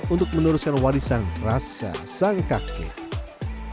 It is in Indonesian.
untuk meneruskan warisan rasa sang kakek